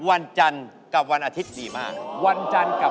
เพราะว่ารายการหาคู่ของเราเป็นรายการแรกนะครับ